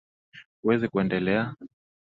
Huwezi kuendelea